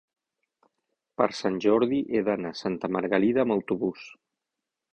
Per Sant Jordi he d'anar a Santa Margalida amb autobús.